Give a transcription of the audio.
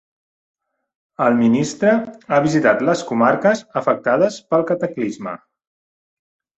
El ministre ha visitat les comarques afectades pel cataclisme.